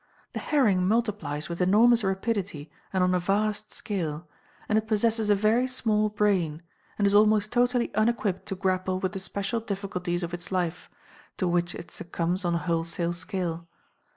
The herring multiplies with enormous rapidity and on a vast scale, and it possesses a very small brain, and is almost totally unequipped to grapple with the special difficulties of its life, to which it succumbs on a wholesale scale.